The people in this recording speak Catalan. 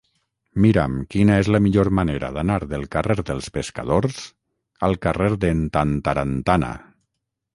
Mira'm quina és la millor manera d'anar del carrer dels Pescadors al carrer d'en Tantarantana.